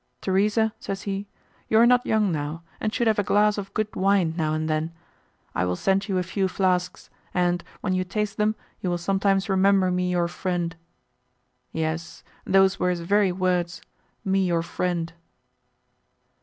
'Theresa,' says he, 'you are not young now, and should have a glass of good wine, now and then. I will send you a few flasks, and, when you taste them, you will sometimes remember me your friend.' Yes—those were his very words—me your friend!"